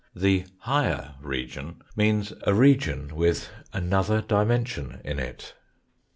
The " higher region " means a region with another dimension in it.